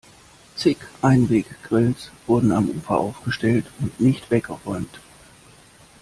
Zig Einweggrills wurden am Ufer aufgestellt und nicht weggeräumt.